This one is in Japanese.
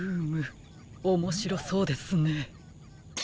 おもしろそうですね。